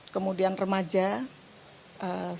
kemudian remaja saya ingat